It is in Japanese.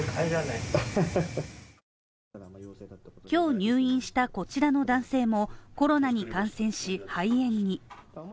今日入院したこちらの男性もコロナに感染し、肺炎に。